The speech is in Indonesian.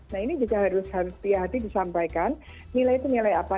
nah ini juga harus hati hati disampaikan nilai nilai apa